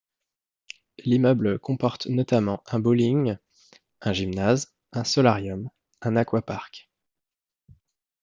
L'immeuble comporte notamment un bowling, un gymnase, un solarium, un aquapark.